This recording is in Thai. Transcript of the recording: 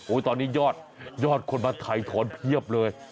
โอ้โฮตอนนี้ยอดยอดคนมาไถ่ทอนเพียบเลย